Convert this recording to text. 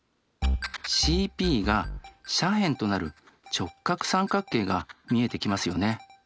ＣＰが斜辺となる直角三角形が見えてきますよね。